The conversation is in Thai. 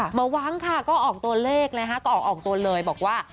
หวังค่ะก็ออกตัวเลขนะคะก็ออกตัวเลยบอกว่า